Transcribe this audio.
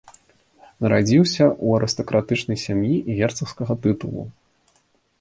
Нарадзіўся ў арыстакратычнай сям'і герцагскага тытулу.